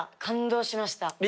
感動しました。